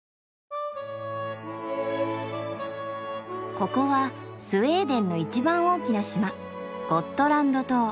ここはスウェーデンの一番大きな島ゴットランド島。